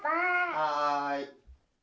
はい。